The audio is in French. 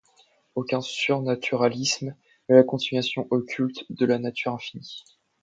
Aucun surnaturalisme ; mais la continuation occulte de la nature infinie.